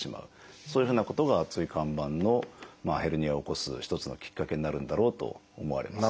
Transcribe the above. そういうふうなことが椎間板のヘルニアを起こす一つのきっかけになるんだろうと思われます。